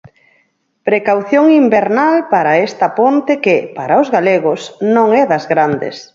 Precaución invernal para esta ponte que, para os galegos, non é das grandes.